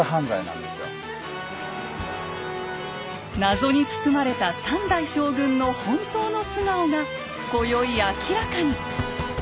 謎に包まれた３代将軍の本当の素顔が今宵明らかに！